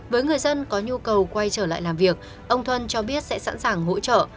với người dân có nhu cầu quay trở lại làm việc ông thuân cho biết sẽ sẵn sàng hỗ trợ